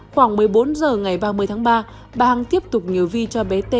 khoảng một mươi bốn giờ ngày ba mươi tháng ba bà hằng tiếp tục nhớ vi cho bé t